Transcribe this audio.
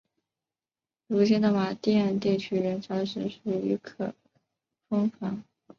如今的马甸地区元朝时属于可封坊。